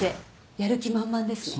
やる気満々ですね。